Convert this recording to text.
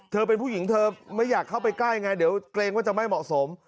เป็นผู้หญิงเธอไม่อยากเข้าไปใกล้ไงเดี๋ยวเกรงว่าจะไม่เหมาะสม